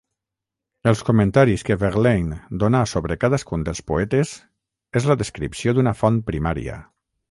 Els comentaris que Verlaine donà sobre cadascun dels poetes és la descripció d'una font primària.